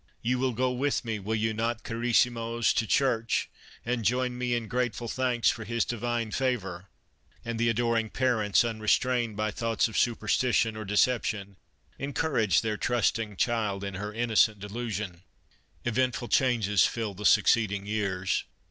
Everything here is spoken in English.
You will go with me, will you not, carrissimos, to church and join me in grateful thanks for His Divine Favor," and the adoring parents, unrestrained by thoughts of super stition or deception, encouraged their trusting child in her innocent delusion. Eventful changes fill the succeeding years.